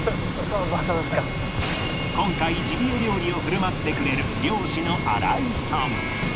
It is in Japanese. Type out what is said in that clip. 今回ジビエ料理を振る舞ってくれる猟師の荒井さん